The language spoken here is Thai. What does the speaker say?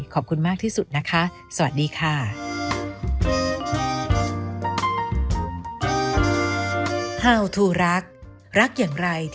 ขอบคุณมากที่สุดนะคะ